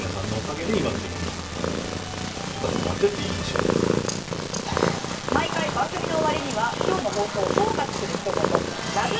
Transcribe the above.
ホントに毎回番組の終わりには今日の放送を総括するひと言ラブ！！